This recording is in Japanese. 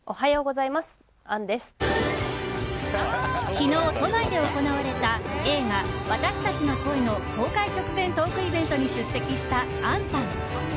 昨日、都内で行われた映画「私たちの声」の公開直前トークイベントに出席した杏さん。